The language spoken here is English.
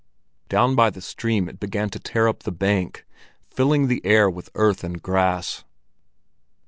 Down by the stream it began to tear up the bank, filling the air with earth and grass.